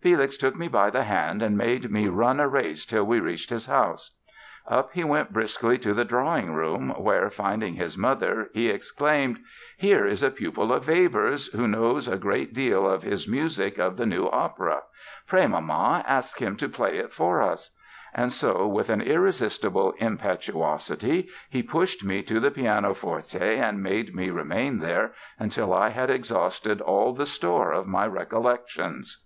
"Felix took me by the hand and made me run a race till we reached his house. Up he went briskly to the drawing room where, finding his mother, he exclaimed: 'Here is a pupil of Weber's, who knows a great deal of his music of the new opera. Pray, mamma, ask him to play it for us'; and so, with an irresistible impetuosity, he pushed me to the pianoforte and made me remain there until I had exhausted all the store of my recollections".